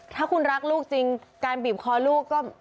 ถ้าคุณรักลูกจริงการบีบคอลูกก็